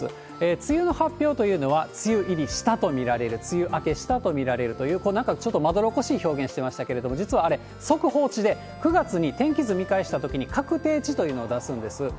梅雨の発表というのは、梅雨入りしたと見られる、梅雨明けしたと見られるという、なんかちょっとまどろっこしい表現されてましたけど、あれ、速報値で９月に天気図見返したときに、確定値というのを出すんです。